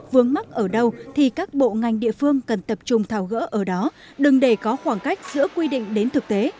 vướng mắt ở đâu thì các bộ ngành địa phương cần tập trung thảo gỡ ở đó đừng để có khoảng cách giữa quy định đến thực tế